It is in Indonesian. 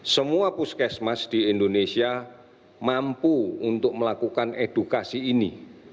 semua puskesmas di indonesia mampu untuk melakukan edukasi ini